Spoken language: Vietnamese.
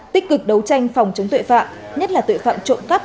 tích cực đấu tranh phòng chống tuệ phạm nhất là tuệ phạm trộm cắp